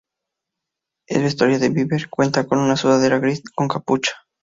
El vestuario de Bieber cuenta con una sudadera gris con capucha.